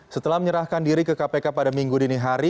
setelah menyerahkan diri ke kpk pada minggu dini hari